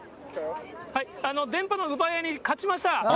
電波の奪い合いに勝ちました！